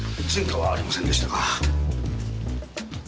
前科はありませんでしたが。